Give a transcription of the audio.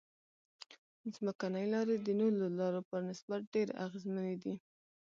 ځمکنۍ لارې د نورو لارو په نسبت ډېرې اغیزمنې دي